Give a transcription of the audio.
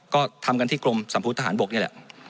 ก็ทำกันที่กรมสัมพุทธทหารบกนี่แหละ